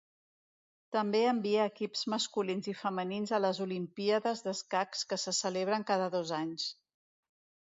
També envia equips masculins i femenins a les Olimpíades d'Escacs que se celebren cada dos anys.